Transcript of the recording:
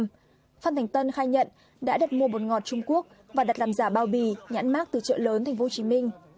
phan thành tân khai nhận đã đặt mua bột ngọt trung quốc và đặt làm giả bao bì nhãn mát từ chợ lớn tp hcm